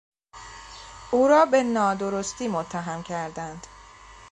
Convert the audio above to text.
او را به نادرستی متهم کردند.